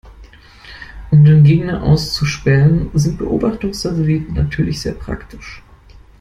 Um den Gegner auszuspähen, sind Beobachtungssatelliten natürlich sehr praktisch.